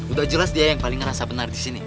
udah jelas dia yang paling ngerasa benar disini